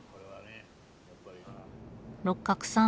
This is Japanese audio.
六角さん